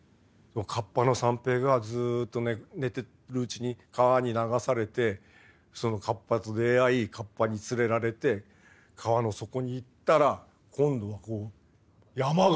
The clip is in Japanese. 河童の三平がずっと寝てるうちに川に流されてその河童と出会い河童に連れられて川の底に行ったら今度はこう山がある。